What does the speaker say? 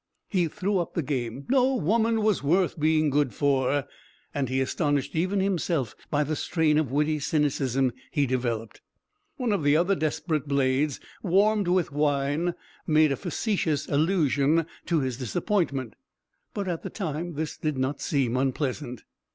He threw up the game; no woman was worth being good for, and he astonished even himself by the strain of witty cynicism he developed. One of the other desperate blades, warmed with wine, made a facetious allusion to his disappointment, but at the time this did not seem unpleasant.